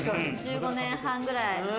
１５年半ぐらい。